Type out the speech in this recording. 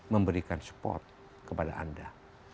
memberikan support kepada anda